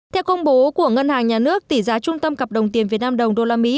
theo công bố của ngân hàng nhà nước tỷ giá trung tâm cặp đồng tiền việt nam đồng đô la mỹ